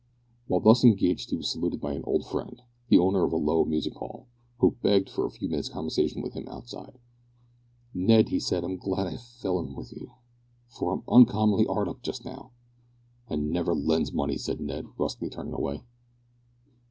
While thus engaged he was saluted by an old friend, the owner of a low music hall, who begged for a few minutes' conversation with him outside. "Ned," he said, "I'm glad I fell in with you, for I'm uncommon 'ard up just now." "I never lends money," said Ned, brusquely turning away.